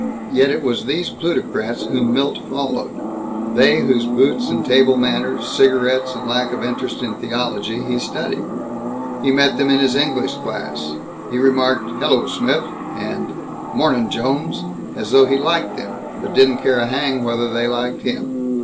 Yet it was these plutocrats whom Milt followed; they whose boots and table manners, cigarettes and lack of interest in theology, he studied. He met them in his English class. He remarked "Hello, Smith," and "Mornin', Jones," as though he liked them but didn't care a hang whether they liked him.